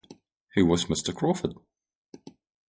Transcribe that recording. Who was Mr. Crawford?